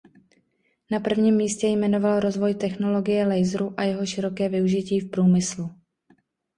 Na prvním místě jmenoval rozvoj technologie laseru a jeho široké využití v průmyslu.